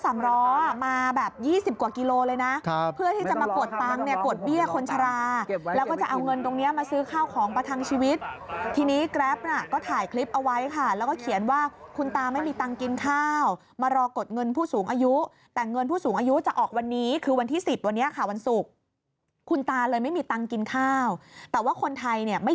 ศุกร์วันศุกร์วันศุกร์วันศุกร์วันศุกร์วันศุกร์วันศุกร์วันศุกร์วันศุกร์วันศุกร์วันศุกร์วันศุกร์วันศุกร์วันศุกร์วันศุกร์วันศุกร์วันศุกร์วันศุกร์วันศุกร์วันศุกร์วันศุกร์วันศุกร์วัน